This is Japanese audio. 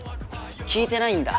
聞いてないんだ。